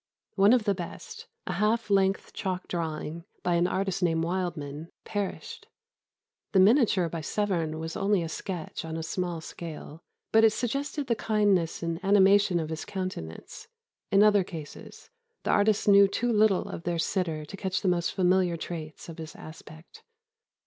One of the best, a half length chalk drawing, by an artist named Wildman, perished. The miniature by Severn was only a sketch on a small scale, but it suggested the kindness and animation of his countenance. In other cases, the artists knew too little of their sitter to catch the most familiar traits of his aspect.